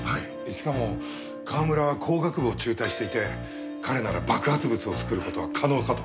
しかも川村は工学部を中退していて彼なら爆発物を作る事は可能かと。